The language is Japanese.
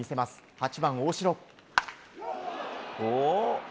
８番、大城。